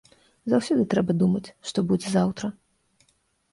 Заўсёды трэба думаць, што будзе заўтра.